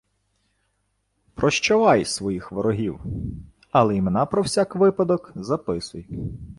Прощавай своїх ворогів, але імена про всяк випадок записуй.